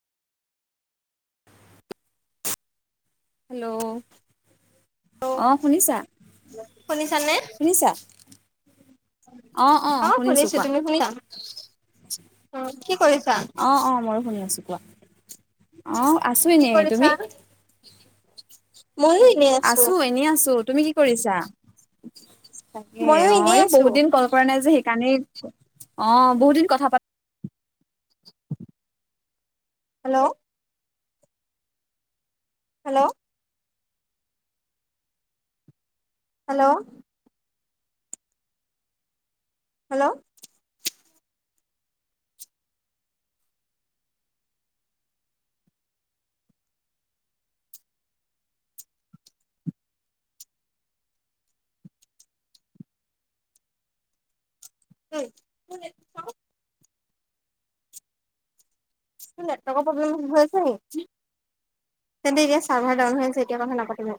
Hello, অ, hello শুনিছানে? শুনিছা-শুনিছা? অ, শুনিছো কোৱা তুমি শুনিছা অ, কি কৰিছা? অ', অ', ময়ো শুনি আছোঁ কোৱা অ, আছো কি এনেই কৰিছা? তুমি? [unintelligible] ময়ো আছো এনেই আছো তুমি কি কৰিছা? তাকে ময়ো অ, এনেই এই আছো। বহুত দিন কল কৰা নাই যে সেইকাৰণেই অ, বহুত দিন কথা পাত হেল্ল', হেল্ল', হেল্ল', হেল্ল', এই কোনে তোৰ নেটৱৰ্কৰ প্ৰব্লেম হৈ আছে নি? তেন্তে এতিয়া চাৰ্ভাৰ ডাউন হৈ আছে এতিয়া কথা নাপাতিব।